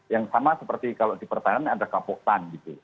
yang sama seperti kalau di pertanian ada kapok tan